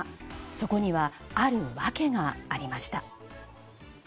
そこにはある訳がありました。